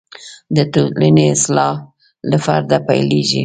د ټولنې اصلاح له فرده پیلېږي.